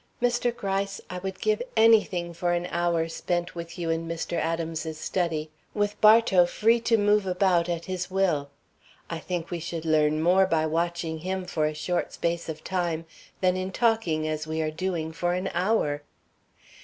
Mr. Gryce, I would give anything for an hour spent with you in Mr. Adams's study, with Bartow free to move about at his will. I think we would learn more by watching him for a short space of time than in talking as we are doing for an hour."